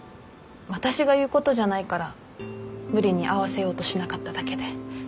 私が言うことじゃないから無理に会わせようとしなかっただけで。